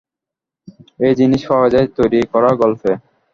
এই জিনিস পাওয়া যায় তৈরি-করা গল্পে।